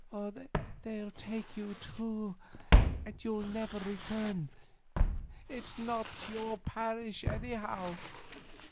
'They'll take you too, and you'll never return. It's not your parish anyhow